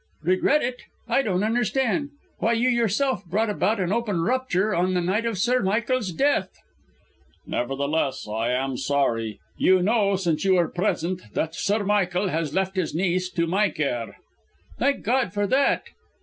"Regret it! I don't understand. Why, you, yourself brought about an open rupture on the night of Sir Michael's death." "Nevertheless, I am sorry. You know, since you were present, that Sir Michael has left his niece to my care " "Thank God for that!"